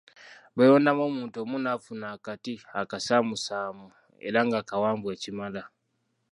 Beerondamu omuntu omu n’afuna akati akasaamusaamu era nga kawanvu ekimala.